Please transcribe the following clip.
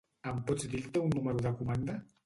Em pots dir el teu número de comanda?